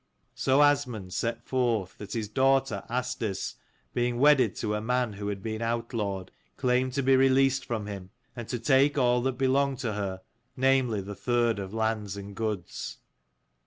So Asmund set forth that his daughter Asdis being wedded to a man who had been outlawed, claimed to be released from him, and to take all that belonged to her, namely the third of land and goods.